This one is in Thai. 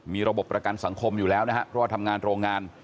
มีระบบประกันสังคมอยู่แล้วนะครับเพราะว่าทำงานโรงงาน